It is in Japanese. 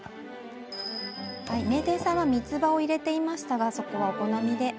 名店さんはみつばを入れていましたがお好みで。